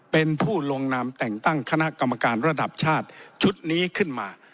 เป็นผู้ลงนามแต่งตั้งคณะกรรมการระดับชาติชุดนี้ขึ้นมา